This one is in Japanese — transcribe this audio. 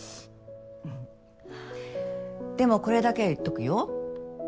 でもこれだけは言っとくよ。